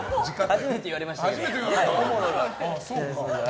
初めて言われましたよ。